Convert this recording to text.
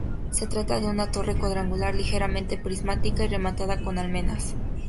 Se trata de una torre cuadrangular, ligeramente prismática y rematada con almenas.